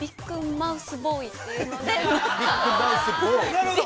◆なるほど。